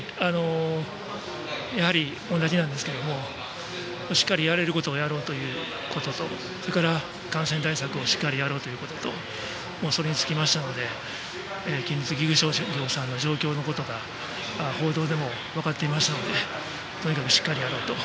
やはり、同じなんですがしっかりやれることをやろうということとそれから、感染対策をしっかりやろうということとそれに尽きましたので県立岐阜商業さんの状況のことが報道でも分かっていましたのでとにかくしっかりやろうと。